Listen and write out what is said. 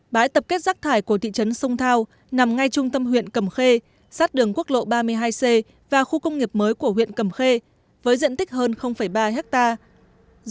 bãi tập kết rác thải của thị trấn sông thao nằm ngay trung tâm huyện cầm khê sát đường quốc lộ ba mươi hai c và khu công nghiệp mới của huyện cầm khê với diện tích hơn ba hectare